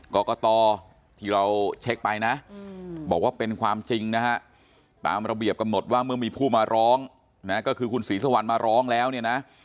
กรกตที่เราเช็คไปนะบอกว่าเป็นความจริงนะฮะตามระเบียบกำหนดว่าเมื่อมีผู้มาร้องนะก็คือคุณศรีสุวรรณมาร้องแล้วเนี่ยนะ